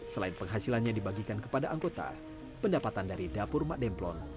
selain penghasilannya dibagikan kepada anggota pendapatan dari dapur mak demplon